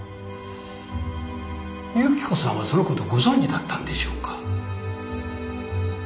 雪子さんはそのことご存じだったんでしょうか？